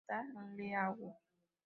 Tag League.